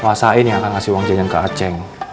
wasain yang akan kasih uang jajan ke acing